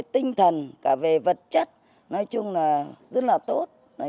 cả về tinh thần cả về vật chất nói chung là rất là tốt